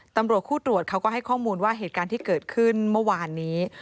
ตำรวจคู่ตรวจเขาก็ให้ข้อมูลว่าเหตุการณ์ที่เกิดขึ้นเมื่อวานนี้